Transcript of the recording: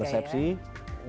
ya di jalanan ini ya